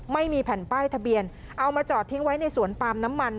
ไม่มีแผ่นป้ายทะเบียนเอามาจอดทิ้งไว้ในสวนปาล์มน้ำมัน